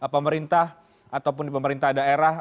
pemerintah ataupun di pemerintah daerah